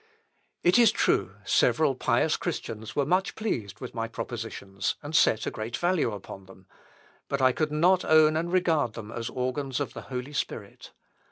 It is true, several pious Christians were much pleased with my Propositions, and set a great value upon them, but I could not own and regard them as the organs of the Holy Spirit.